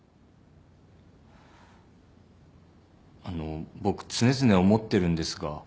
あの僕常々思ってるんですが。